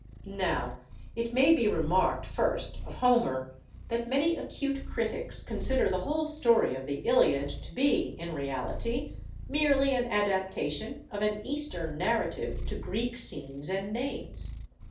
Now it may be remarked, first, of Homer, that many acute critics consider the whole story of the 'Iliad' to be, in reality, merely an adaptation of an eastern narrative to Greek scenes and names.